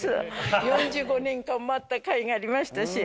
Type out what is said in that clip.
４５年間待ったかいがありましたし。